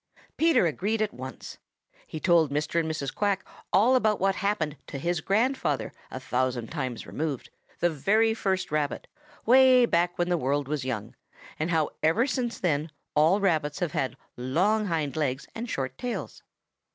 Peter agreed at once. He told Mr. and Mrs. Quack all about what happened to his grandfather a thousand times removed, the very first Rabbit, way back when the world was young, and how ever since then all Rabbits have had long hind legs and short tails.